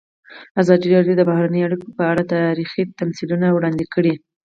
ازادي راډیو د بهرنۍ اړیکې په اړه تاریخي تمثیلونه وړاندې کړي.